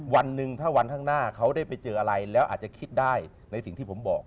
วันหนึ่งถ้าวันข้างหน้าเขาได้ไปเจออะไรแล้วอาจจะคิดได้ในสิ่งที่ผมบอก